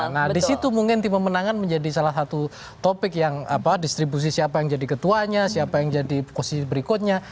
nah disitu mungkin tim pemenangan menjadi salah satu topik yang distribusi siapa yang jadi ketuanya siapa yang jadi posisi berikutnya